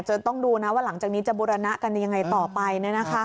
ต้องดูนะว่าหลังจากนี้จะบูรณะกันยังไงต่อไป